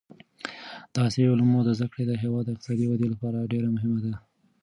د عصري علومو زده کړه د هېواد د اقتصادي ودې لپاره ډېره مهمه ده.